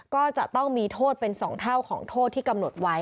ก็จะต้องมีโทษเป็น๒เท่าของโทษที่กำหนดไว้